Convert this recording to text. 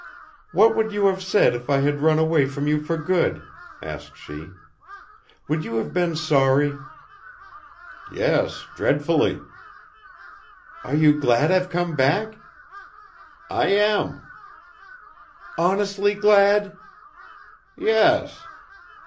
"What would you have said if I had run away from you for good?" asked she. "Would you have been sorry?" "Yes dreadfully." "Are you glad I've come back?" "I am." "Honestly glad?" "Yes."